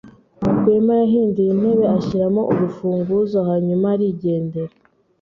Rwema yahinduye intebe, ashyiramo urufunguzo, hanyuma arigendera.